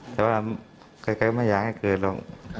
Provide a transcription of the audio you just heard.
แต่ว่าใครไม่อยากให้เกิดหรอก